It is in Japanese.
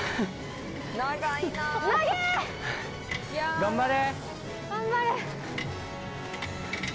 頑張れ！